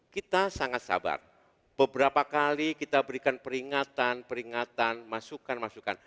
kita sangat sabar beberapa kali kita berikan peringatan peringatan masukan masukan